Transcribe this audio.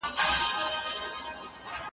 په زرګونو مي لا نور یې پوروړی .